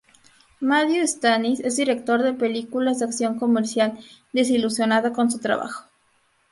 Mathieu Stannis es director de películas de acción comercial, desilusionado con su trabajo.